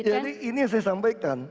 jadi ini yang saya sampaikan